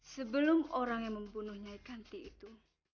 sebelum orang yang membunuhnya ikan ti itu